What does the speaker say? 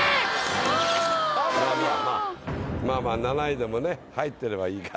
まぁまぁまぁまぁまぁ７位でもね入ってればいいから。